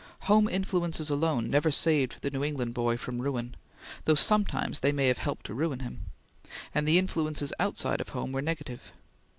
Home influences alone never saved the New England boy from ruin, though sometimes they may have helped to ruin him; and the influences outside of home were negative.